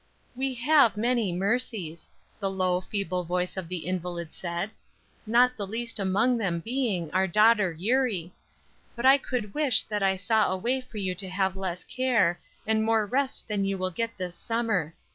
"We have many mercies," the low, feeble voice of the invalid said; "not the least among them being, our daughter Eurie; but I could wish that I saw a way for you to have less care, and more rest than you will get this summer.